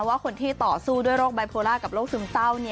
ว่าคนที่ต่อสู้ด้วยโรคไบโพล่ากับโรคซึมเศร้า